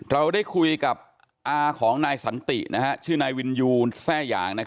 เราได้คุยกับอาของนายสันติชื่อนายวินยูนแทร่หยาง